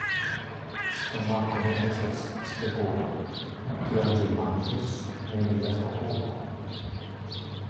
Stomako ne estas spegulo: kion ĝi manĝis, ne vidas okulo.